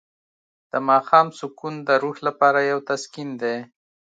د ماښام سکون د روح لپاره یو تسکین دی.